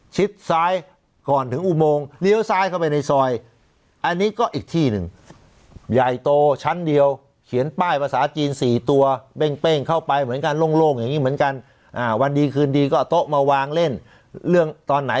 ชิดซ้ายก่อนถึงอุโมงเลี้ยวซ้ายเข้าไปในซอยอันนี้ก็อีกที่หนึ่ง